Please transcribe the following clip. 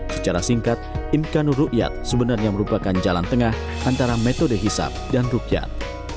secara singkat imkanur rukyat sebenarnya merupakan jalan tengah antara metode hisap dan rukyat